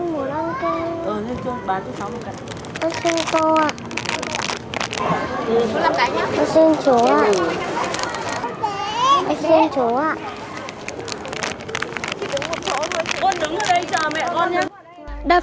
mẹ con đâu